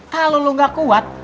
kalau lo gak kuat